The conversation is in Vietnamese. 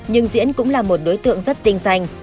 nhưng diễn cũng là một đối tượng rất tinh danh